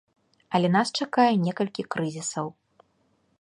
Але нас чакае некалькі крызісаў.